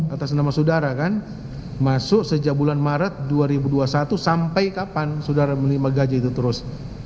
atas nama saudara kan masuk sejak bulan maret dua ribu dua puluh satu sampai kapan saudara menerima gajah itu terus